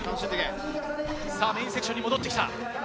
メインセクションに戻ってきた。